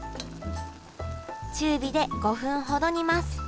中火で５分ほど煮ます